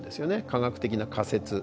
科学的な仮説。